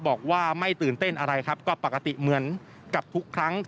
บอกว่าไม่ตื่นเต้นอะไรครับก็ปกติเหมือนกับทุกครั้ง